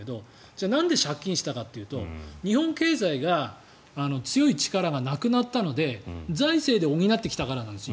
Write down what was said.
じゃあなんで借金したかというと日本経済が強い力がなくなったので財政で補ってきたからなんです